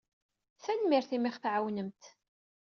Tanemmirt imi i aɣ-tɛawnemt.